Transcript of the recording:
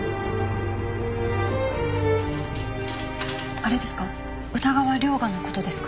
あれですか？